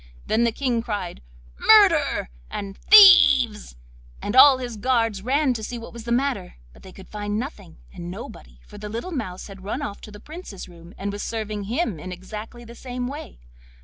Then the King cried 'Murder!' and 'Thieves!' and all his guards ran to see what was the matter, but they could find nothing and nobody, for the little mouse had run off to the Prince's room and was serving him in exactly the same way.